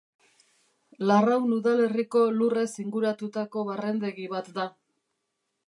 Larraun udalerriko lurrez inguratutako barrendegi bat da.